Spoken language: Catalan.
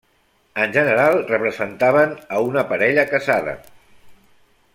En general, representaven a una parella casada.